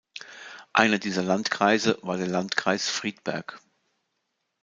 Einer dieser Landkreise war der Landkreis Friedberg.